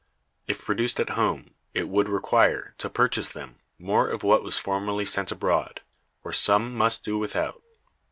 If produced at home, it would require, to purchase them, more of what was formerly sent abroad; or some must do without.